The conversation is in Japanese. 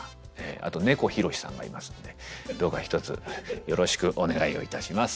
あと猫ひろしさんがいますんでどうかひとつよろしくお願いをいたします。